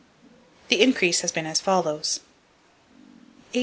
The increase has been as follows: 1888—W.